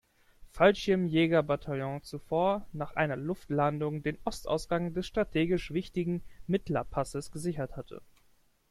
Fallschirmjäger-Bataillon zuvor nach einer Luftlandung den Ostausgang des strategisch wichtigen Mitla-Passes gesichert hatte.